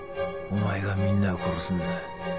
お前がみんなを殺すんだ。